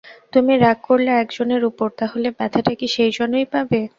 তুমি রাগ করলে এক জনের উপর, তাহলে ব্যথাটা কি সেই জনই পাবে।